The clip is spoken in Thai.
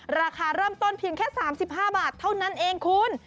ราคาเริ่มต้นเพียงแค่๓๕บาทเท่านั้นเองคุณ